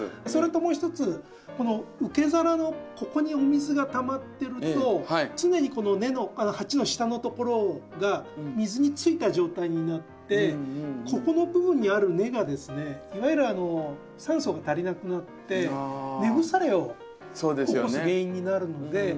それともう一つこの受け皿のここにお水がたまってると常にこの鉢の下のところが水についた状態になってここの部分にある根がですねいわゆる酸素が足りなくなって根腐れを起こす原因になるので。